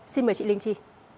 xin mời chị linh chi